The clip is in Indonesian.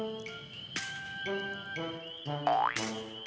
aku juga nggak tau